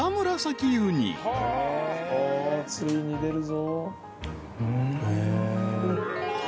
ついに出るぞ。